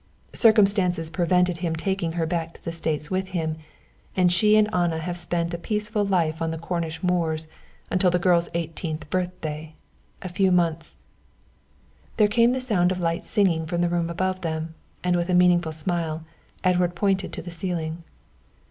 Circumstances prevented his taking her back to the States with him, and she and Anna have spent a peaceful life on the Cornish moors until the girl's eighteenth birthday, a few months " There came the sound of light singing from the room above them, and with a meaning smile, Edward pointed to the ceiling.